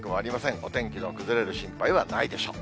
お天気の崩れる心配はないでしょう。